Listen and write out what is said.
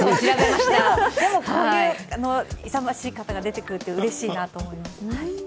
でもこういう勇ましい方が出てくるのはうれしいなと思いました。